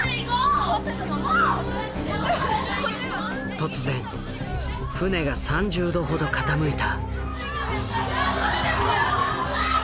突然船が３０度ほど傾いた。